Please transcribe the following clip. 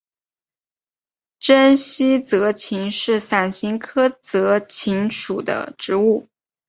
滇西泽芹是伞形科泽芹属的植物。